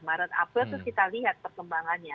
maret april terus kita lihat perkembangannya